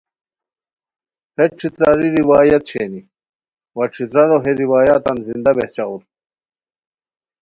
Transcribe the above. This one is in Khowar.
ہیت ݯھترای روایت شینی وا ݯھترارو ہے روایتان زندہ بہچاؤر